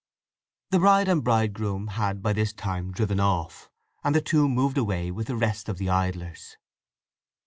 The bride and bridegroom had by this time driven off, and the two moved away with the rest of the idlers.